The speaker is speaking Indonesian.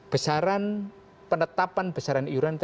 besaran penetapan besaran iuran terhadap bpjs ini